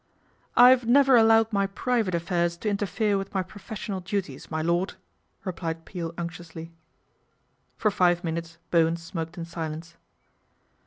" I have never allowed my private affairs to interfere with my professional duties, my lord," replied Peel unctuously. For five minutes Bowen smoked in silence.